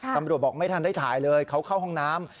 บอกไม่ทันได้ถ่ายเลยเขาเข้าห้องน้ำ